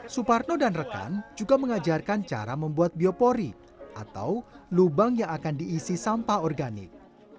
suparno dan rekan juga mengajarkan cara membuat biopori atau lubang yang akan diisi sampah organik